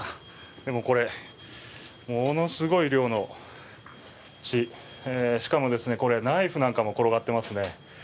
でもこれ、ものすごい量の血、しかも、ナイフなんかも転がっていますね。